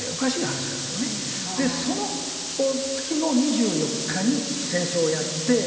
その月の２４日に戦争をやって。